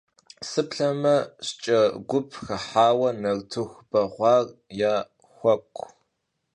Sıplheme, şşç'e gup xıhaue nartıxu beğuar yaxhuek'u.